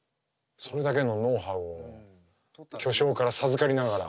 それだけのノウハウを巨匠から授かりながらみすみす。